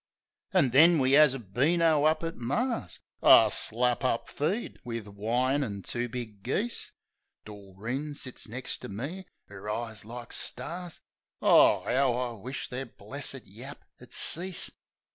An' then we 'as a beano up at Mar's — A slap up feed, wiv wine an' two big geese. Doreen sits next ter me, 'er eyes like stars. O, 'ow I wished their blessed yap would cease